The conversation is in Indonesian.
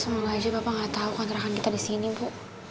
semua aja bapak gak tau kontrakan kita di sini bu